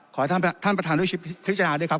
ขอให้ท่านประธานด้วยพิจารณาด้วยครับ